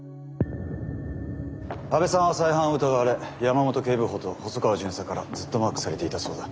阿部さんは再犯を疑われ山本警部補と細川巡査からずっとマークされていたそうだ。